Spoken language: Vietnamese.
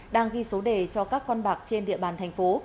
đang ghi số đề cho các con bạc trên địa bàn thành phố